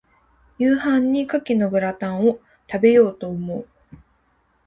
夕飯に牡蠣のグラタンを、食べようと思う。